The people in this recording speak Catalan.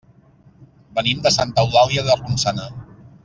Venim de Santa Eulàlia de Ronçana.